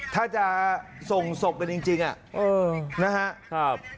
ถ้าจะส่งศพกันจริงนะครับ